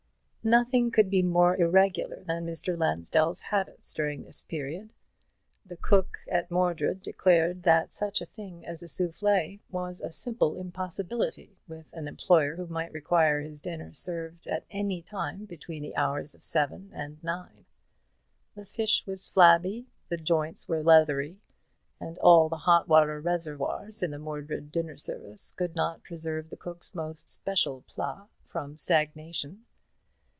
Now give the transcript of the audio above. Nothing could be more irregular than Mr. Lansdell's habits during this period. The cook at Mordred declared that such a thing as a soufflé was a simple impossibility with an employer who might require his dinner served at any time between the hours of seven and nine. The fish was flabby, the joints were leathery; and all the hot water reservoirs in the Mordred dinner service could not preserve the cook's most special plats from stagnation.